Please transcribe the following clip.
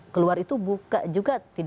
keluar itu buka juga